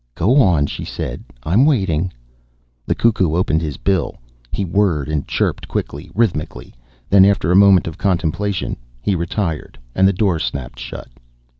"Go on," she said. "I'm waiting." The cuckoo opened his bill. He whirred and chirped, quickly, rhythmically. Then, after a moment of contemplation, he retired. And the door snapped shut.